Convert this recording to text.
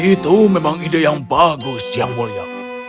itu memang ide yang bagus yang mulia